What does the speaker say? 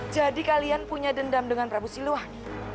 jadi kalian punya dendam dengan prabu siluang